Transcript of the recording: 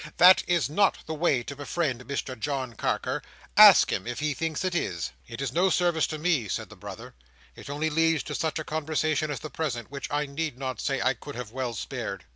That is not the way to befriend Mr John Carker. Ask him if he thinks it is." "It is no service to me," said the brother. "It only leads to such a conversation as the present, which I need not say I could have well spared.